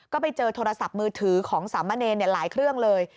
ก็ไปเจอโทรศัพท์มือถือของสามเณรหลายเครื่องเลย